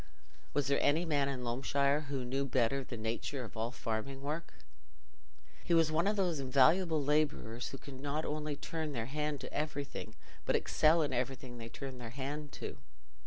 Was there any man in Loamshire who knew better the "natur" of all farming work? He was one of those invaluable labourers who can not only turn their hand to everything, but excel in everything they turn their hand to.